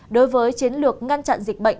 đối với chiến lược ngăn chặn dịch bệnh